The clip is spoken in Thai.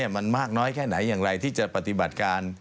มันมากน้อยแค่ไหนอย่างไรที่จะปฏิบัติการ